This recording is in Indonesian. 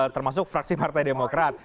termasuk fraksi partai demokrat